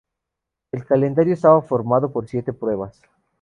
El calendario estaba formado por siete pruebas.